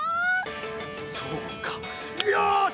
そうかよし！